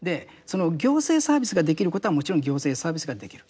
行政サービスができることはもちろん行政サービスができる。